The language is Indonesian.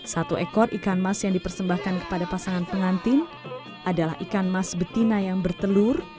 satu ekor ikan mas yang dipersembahkan kepada pasangan pengantin adalah ikan mas betina yang bertelur